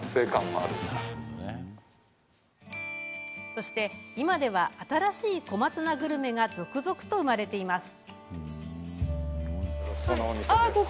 そして、今では新しい小松菜グルメが続々と生まれています。